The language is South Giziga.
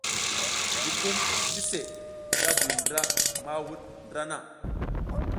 Gukum sise da buy ndra ma wuɗ ndra.